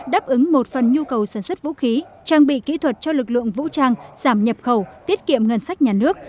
đáp ứng một phần nhu cầu sản xuất vũ khí trang bị kỹ thuật cho lực lượng vũ trang giảm nhập khẩu tiết kiệm ngân sách nhà nước